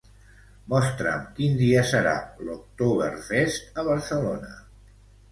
Mostra'm quin dia serà l'"Oktoberfest" a Barcelona.